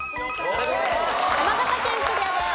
山形県クリアです。